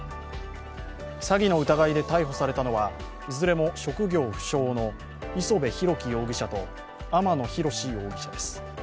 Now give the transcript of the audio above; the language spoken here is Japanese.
詐欺の疑いで逮捕されたのはいずれも職業不詳の磯辺裕樹容疑者と天野宏容疑者です。